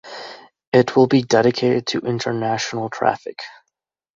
It will be dedicated to international traffic.